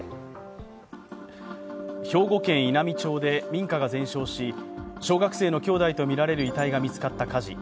兵庫県稲美町で民家が全焼し小学生の兄弟とみられる遺体が見つかった火事。